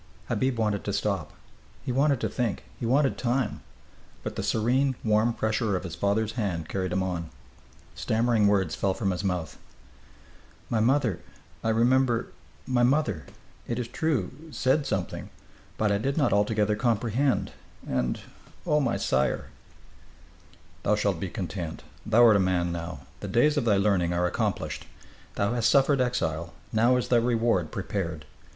Habib wanted to stop. He wanted to think. He wanted time. But the serene, warm pressure of his father's hand carried him on. Stammering words fell from his mouth. "My mother I remember my mother, it is true, said something but I did not altogether comprehend and Oh! my sire " "Thou shalt be content. Thou art a man now. The days of thy learning are accomplished. Thou hast suffered exile; now is thy reward prepared.